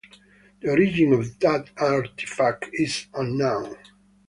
The origin of that artifact is unknown.